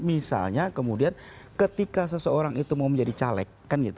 misalnya kemudian ketika seseorang itu mau menjadi caleg